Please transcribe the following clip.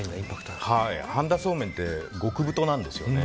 半田そうめんって極太なんですよね。